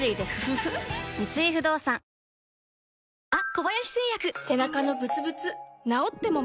三井不動産あっ！